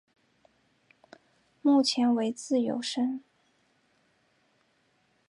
目前为自由身。